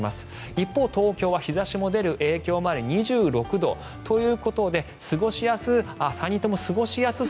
一方、東京は日差しが出る影響もあり２６度ということで過ごしやすい。